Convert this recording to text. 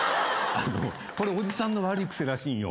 これおじさんの悪い癖らしいんよ。